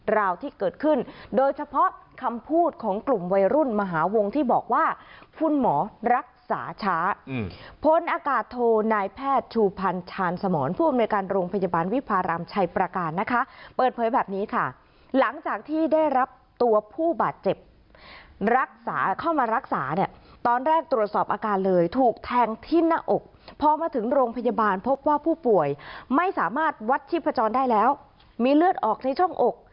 ราวที่เกิดขึ้นโดยเฉพาะคำพูดของกลุ่มวัยรุ่นมหาวงที่บอกว่าคุณหมอรักษาช้าพ้นอากาศโทรนายแพทย์ชูพันธาณสมอนผู้อำนวยการโรงพยาบาลวิพารามชัยปราการนะคะเปิดเผยแบบนี้ค่ะหลังจากที่ได้รับตัวผู้บาดเจ็บรักษาเข้ามารักษาเนี่ยตอนแรกตรวจสอบอาการเลยถูกแทงที่หน้าอกพอมาถึงโ